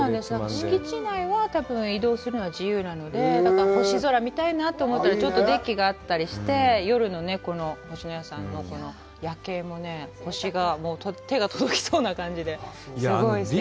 敷地内は、移動するの自由なので、星空を見たいなと思ったら、ちょっとデッキがあったりして、夜のこの星のやさんの夜景も星が、手が届きそうな感じで、すごいすてきですよ。